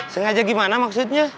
sengaja gimana maksudnya